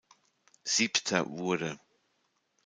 Siebter wurde.